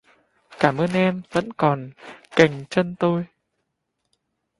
Cảm ơn em vẫn còn kềm chân tôi